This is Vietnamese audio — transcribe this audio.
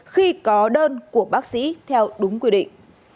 khi có đơn của bác sĩ theo đúng quy định